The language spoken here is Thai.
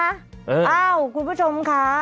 อ้าวคุณผู้ชมคะ